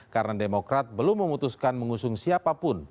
karena demokrat belum memutuskan mengusung siapapun